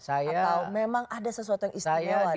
atau memang ada sesuatu yang istimewa dari coach sti